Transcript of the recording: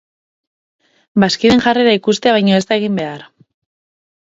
Bazkideen jarrera ikustea baino ez da egin behar.